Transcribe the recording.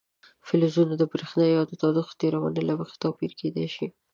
فلزونه د برېښنايي او تودوخې تیرونې له مخې توپیر کیدای شي.